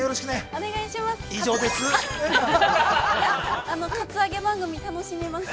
◆お願いします。